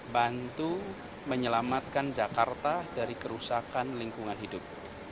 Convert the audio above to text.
bantu menyelamatkan jakarta dari kerusakan lingkungan hidup